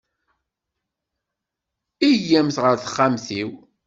Iyyamt ɣer texxamt-iw.